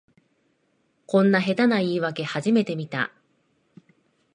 こんな下手な言いわけ初めて見た